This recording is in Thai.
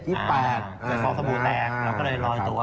คลองสบู่แตกเราก็เลยลอยตัว